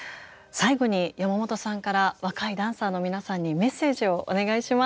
最後に山本さんから若いダンサーの皆さんにメッセージをお願いします。